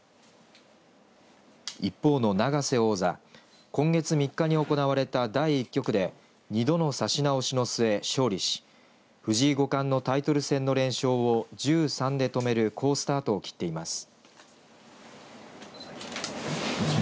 一方の永瀬王座今月３日に行われた第１局で２度の指し直しの末、勝利し藤井五冠のタイトル戦の連勝を１３で止める好スタートを切っています。